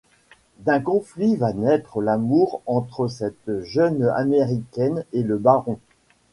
D'un conflit va naître l'amour entre cette jeune américaine et le baron.